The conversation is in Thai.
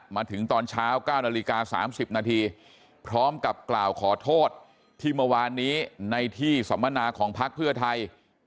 มาถึงตอนเช้า๙นาฬิกา๓๐นาทีพร้อมกับกล่าวขอโทษที่เมื่อวานนี้ในที่สัมมนาของพักเพื่อไทย